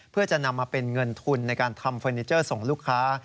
เพื่อจะนำมาเป็นเงินทุนในการทำเฟอร์นิเจอร์ส่งลูกค้า